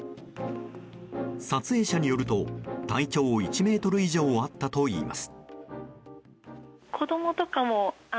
撮影者によると体長１ｍほどあったといいます。